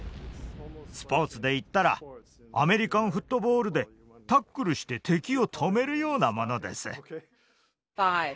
スポーツで言ったらアメリカンフットボールでタックルして敵を止めるようなものです。